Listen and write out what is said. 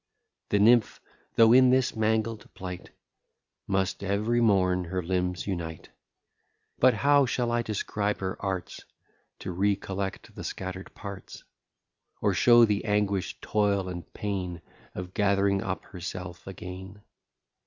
The nymph, though in this mangled plight Must ev'ry morn her limbs unite. But how shall I describe her arts To re collect the scatter'd parts? Or show the anguish, toil, and pain, Of gath'ring up herself again?